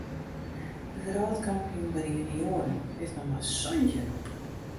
De wrâldkampioen by de junioaren is noch mar santjin.